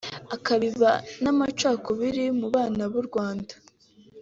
akabiba n’amacakubiri mu bana b’u Rwanda